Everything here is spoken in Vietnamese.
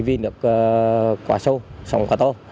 vì nước quá sâu sống quá to